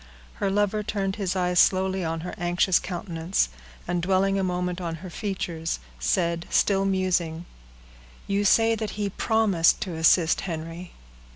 Her lover turned his eyes slowly on her anxious countenance, and dwelling a moment on her features, said, still musing,— "You say that he promised to assist Henry."